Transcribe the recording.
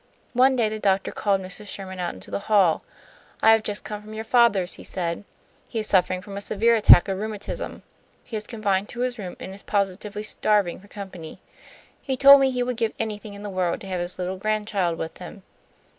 One day the doctor called Mrs. Sherman out into the hall. "I have just come from your father's," he said. "He is suffering from a severe attack of rheumatism. He is confined to his room, and is positively starving for company. He told me he would give anything in the world to have his little grandchild with him.